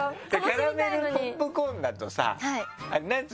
キャラメルポップコーンだとさあれ何つうの？